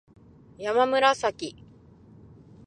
やまむらさき